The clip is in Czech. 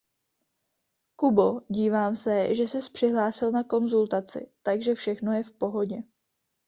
Kubo, dívám se, že ses přihlásil na konzultaci, takže všechno je v pohodě.